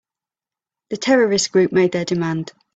The terrorist group made their demand.